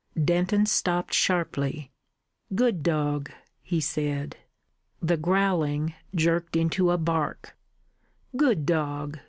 Denton stopped sharply. "Good dog!" he said. The growling jerked into a bark. "Good dog!"